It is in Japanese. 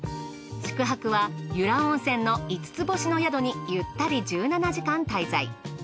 宿泊は由良温泉の５つ星の宿にゆったり１７時間滞在。